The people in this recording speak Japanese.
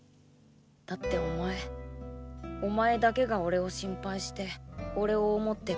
だってお前お前だけが俺を心配して俺を「想って」